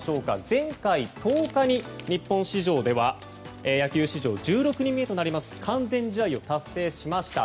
前回１０日に日本の野球史上１６人目となる完全試合を達成しました。